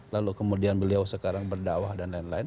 lalu kemudian beliau sekarang berdakwah dan lain lain